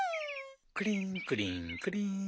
クリーンクリーンクリーン。